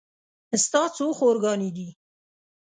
ستا څو خور ګانې دي